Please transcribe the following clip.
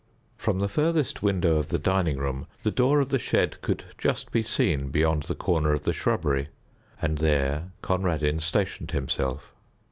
From the furthest window of the dining room the door of the shed could just be seen beyond the corner of the shrubbery, and there Conradin stationed himself.